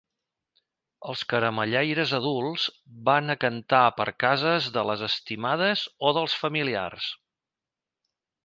Els caramellaires adults van a cantar per cases de les estimades o dels familiars.